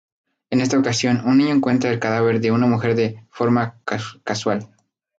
En esta ocasión, un niño encuentra el cadáver de una mujer de forma casual.